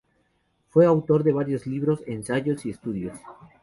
Fue autor de varios libros, ensayos y estudios.